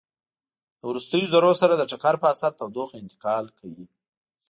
د وروستیو ذرو سره د ټکر په اثر تودوخه انتقال کوي.